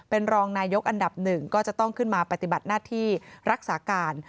เป็นรองนายกอันดับหนึ่งก็จะต้องขึ้นมาปฏิบัติหน้าที่รักษาการ